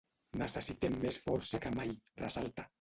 Necessitem més força que mai, ressalta.